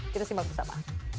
kita simak bersama